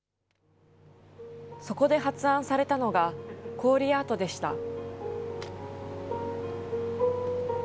そこで発案されたのが、氷アートでした。